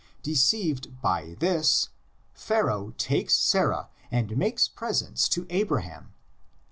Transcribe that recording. Deceived by this Pharaoh takes Sarah and makes presents to Abraham.